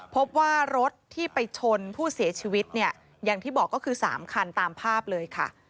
พบว่ารถที่ไปชนผู้เสียชีวิตเนี่ยอย่างที่บอกก็คือ๓คันตามภาพเลยค่ะ